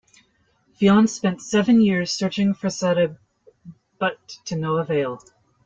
Fionn spent seven years searching for Sadhbh, but to no avail.